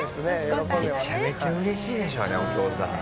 めちゃめちゃ嬉しいでしょうねお父さん。